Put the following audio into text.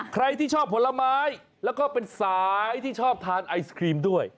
ใครที่ชอบผลไม้แล้วก็เป็นสายที่ชอบทานไอศครีมด้วย